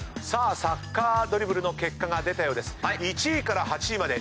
さあサッカードリブルの結果が出たようです。